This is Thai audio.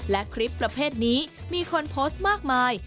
และคลิปประเภทนี้มีคนโพสต์มากมาย